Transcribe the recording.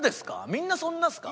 みんなそんなですか？